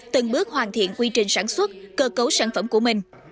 từng bước hoàn thiện quy trình sản xuất cơ cấu sản phẩm của mình